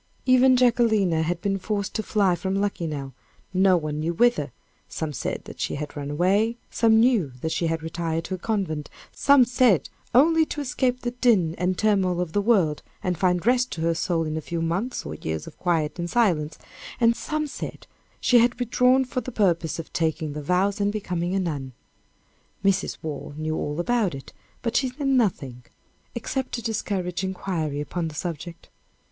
Even Jacquelina had been forced to fly from Luckenough; no one knew wither; some said that she had run away; some knew that she had retired to a convent; some said only to escape the din and turmoil of the world, and find rest to her soul in a few months or years of quiet and silence, and some said she had withdrawn for the purpose of taking the vows and becoming a nun. Mrs. Waugh knew all about it, but she said nothing, except to discourage inquiry upon the subject.